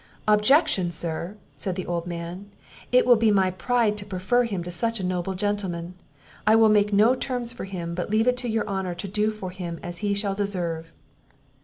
"Objection, sir!" said the old man; "it will be my pride to prefer him to such a noble gentleman; I will make no terms for him, but leave it to your honour to do for him as he shall deserve."